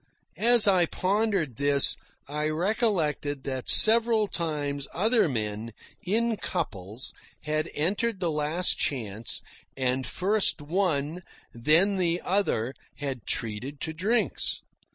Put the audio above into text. As I pondered this, I recollected that several times other men, in couples, had entered the Last Chance, and first one, then the other, had treated to drinks.